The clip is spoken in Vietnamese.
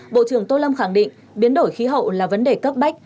bộ trưởng tô lâm khẳng định biến đổi khí hậu là vấn đề cấp bách